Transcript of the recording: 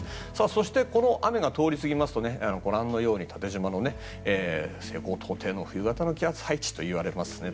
そして、この雨が通り過ぎると縦じまの西高東低の冬型の気圧配置といわれますね。